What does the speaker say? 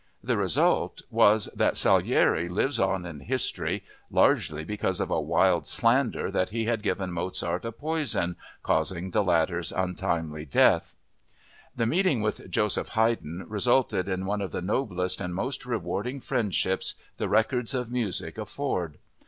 The result was that Salieri lives on in history largely because of a wild slander that he had given Mozart a poison causing the latter's untimely death! The meeting with Joseph Haydn resulted in one of the noblest and most rewarding friendships the records of music afford.